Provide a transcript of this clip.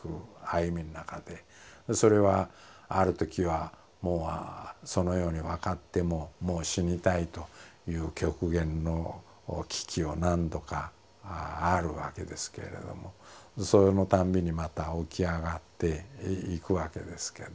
それはあるときはもうそのように分かってももう死にたいという極限の危機を何度かあるわけですけれどもそのたんびにまた起き上がっていくわけですけれども。